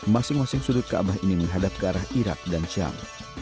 masing masing sudut kaabah ini menghadap ke arah irak dan shang